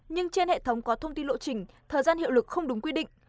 nhưng trên hệ thống có thông tin lộ trình thời gian hiệu lực không đúng quy định